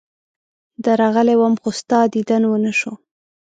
درغلی وم، خو ستا دیدن ونه شو.